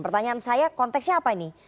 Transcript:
pertanyaan saya konteksnya apa ini